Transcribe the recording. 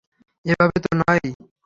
এভাবে তো নয়ই।